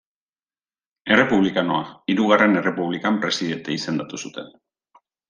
Errepublikanoa, Hirugarren Errepublikan presidente izendatu zuten.